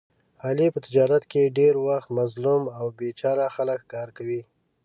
علي په تجارت کې ډېری وخت مظلوم او بې چاره خلک ښکار کوي.